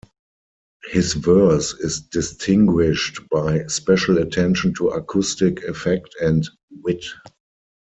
His verse is distinguished by special attention to acoustic effect and wit.